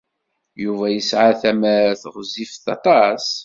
Yuba yesɛa tamart ɣezzifen aṭas.